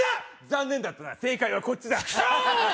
残念だったな正解はこっちだチクショウ！